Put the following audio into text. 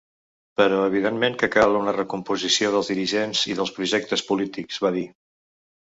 Però evidentment que cal una recomposició dels dirigents i dels projectes polítics, va dir.